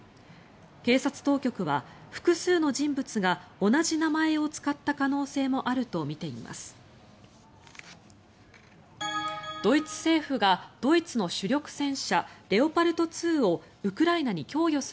警察当局は複数の人物が同じ名前を使った可能性もあるとみています。